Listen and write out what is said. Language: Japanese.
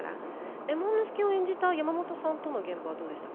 右衛門佐を演じた山本さんとの現場はどうでしたか？